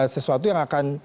sesuatu yang akan